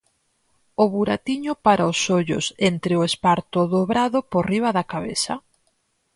O buratiño para os ollos entre o esparto dobrado por riba da cabeza.